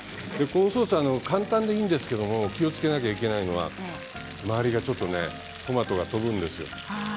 このソースは簡単でいいんですけど気をつけなければいけないのは周りにちょっとトマトが飛ぶんですよ。